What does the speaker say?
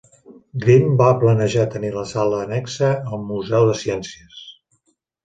Green va planejar tenir la sala annexa al Museu de Ciències.